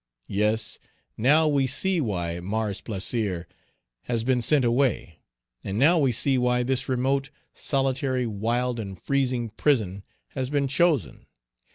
Yes; now we see why Mars Plaisir has been sent away. And now we see why this remote, solitary, wild, and freezing prison has been chosen.